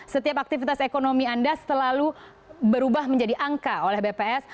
setiap aktivitas ekonomi anda selalu berubah menjadi angka oleh bps